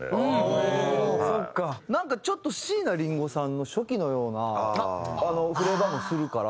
なんかちょっと椎名林檎さんの初期のようなフレーバーもするから。